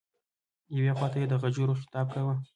یوې خواته یې د غجرو خطاب کاوه.